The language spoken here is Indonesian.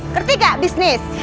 ngerti nggak bisnis